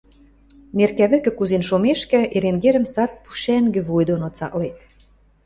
Неркӓ вӹкӹ кузен шомешкӹ, Эренгерӹм сад пушӓнгӹ вуй доно цаклет